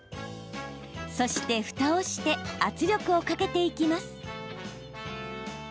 そして、ふたをして圧力をかけていきます。